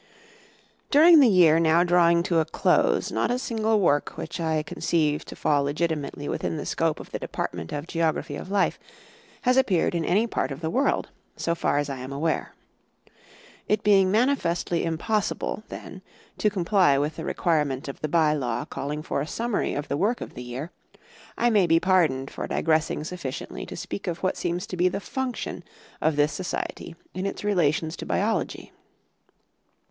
During the year now drawing to a close not a single work which I conceive to fall legitimately within the scope of the de partment of Geography of Life has appeared in any part of the world, so far as I am aware. It being manifestly impossible, then, to comply with the requirement of the By law calling for a summary of the work of the year, I may be pardoned for digress ing sufficiently to speak of what seems to be thQ function of this Society in its relations to biology.